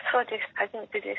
初めてです。